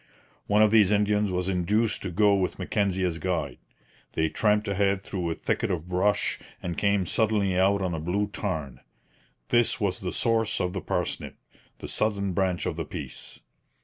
One of these Indians was induced to go with Mackenzie as guide. They tramped ahead through a thicket of brush, and came suddenly out on a blue tarn. This was the source of the Parsnip, the southern branch of the Peace.